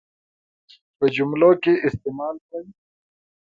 په جملو کې استعمال کړي.